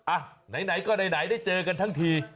อ่ะไหนก็ไหนได้เจอกันทั้งที